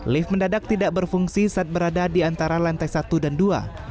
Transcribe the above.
lift mendadak tidak berfungsi saat berada di antara lantai satu dan dua